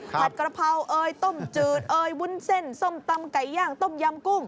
ผัดกระเพราต้มจืดวุ่นเส้นส้มตำไก่ย่างต้มยำกุ้ง